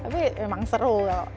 tapi memang seru